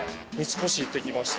行ってきました。